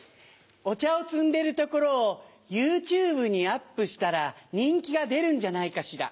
お茶を摘んでるところをＹｏｕＴｕｂｅにアップしたら人気が出るんじゃないかしら？